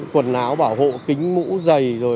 quần áo bảo hộ kính mũ giày